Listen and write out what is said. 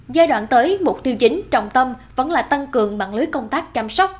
giai đoạn tới mục tiêu chính trọng tâm vẫn là tăng cường mạng lưới công tác chăm sóc